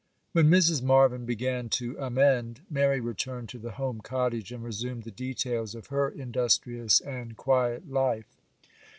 WHEN Mrs. Marvyn began to amend, Mary returned to the home cottage, and resumed the details of her industrious and quiet life.